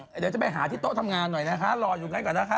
เดี๋ยวจะไปหาที่โต๊ะทำงานหน่อยนะคะรออยู่งั้นก่อนนะคะ